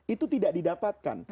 itu tidak didapatkan